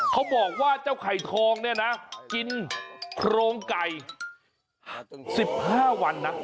เขาบอกว่าเจ้าไข่ทองเนี่ยนะกินโครงไก่๑๕วันนะ